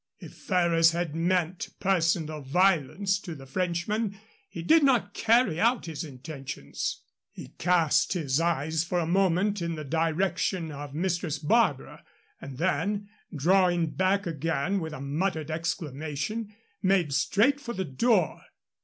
If Ferrers had meant personal violence to the Frenchman, he did not carry out his intentions. He cast his eyes for a moment in the direction of Mistress Barbara, and then, drawing back again with a muttered exclamation, made straight for the door.